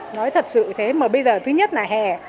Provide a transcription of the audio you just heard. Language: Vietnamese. nói thật sự thế mà bây giờ thứ nhất là hè